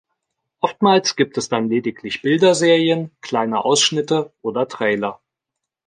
Oftmals gibt es dann lediglich Bilderserien, kleine Ausschnitte oder Trailer.